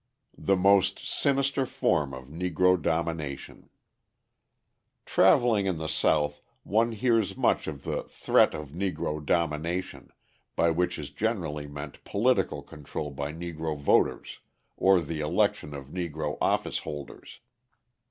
The Most Sinister Form of Negro Domination Travelling in the South one hears much of the "threat of Negro domination," by which is generally meant political control by Negro voters or the election of Negro officeholders.